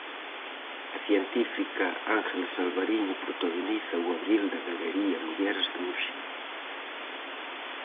A científica Ángeles Alvariño protagoniza o abril da Galería Mulleres de Muxía.